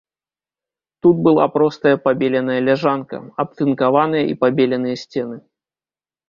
Тут была простая пабеленая ляжанка, абтынкаваныя і пабеленыя сцены.